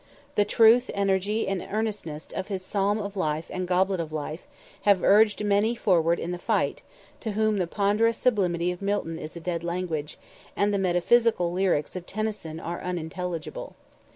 The truth, energy, and earnestness of his 'Psalm of Life' and 'Goblet of Life,' have urged many forward in the fight, to whom the ponderous sublimity of Milton is a dead language, and the metaphysical lyrics of Tennyson are unintelligible.